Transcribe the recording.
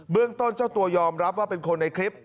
เรื่องต้นเจ้าตัวยอมรับว่าเป็นคนในคลิป